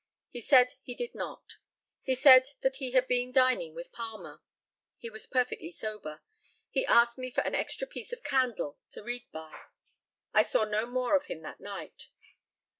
He said he did not. He said that he had been dining with Palmer. He was perfectly sober. He asked me for an extra piece of candle to read by. I saw no more of him that night.